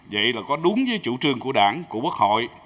vậy là có đúng với chủ trương của đảng của quốc hội